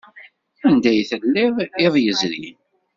Anda ay telliḍ iḍ yezrin?